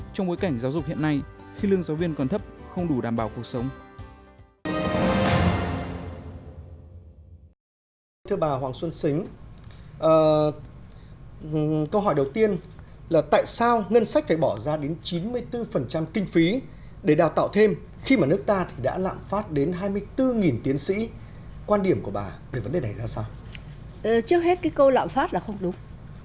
trong bối cảnh giáo dục hiện nay khi lương giáo viên còn thấp không đủ đảm bảo cuộc sống